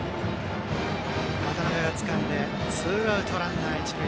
渡邊つかんでツーアウトランナー、一塁。